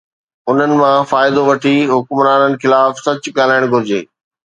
انهن مان فائدو وٺي حڪمرانن خلاف سچ ڳالهائڻ گهرجي.